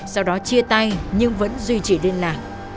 sau đó chia tay nhưng vẫn duy trì liên lạc